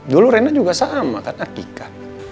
dulu reina juga sama kan akika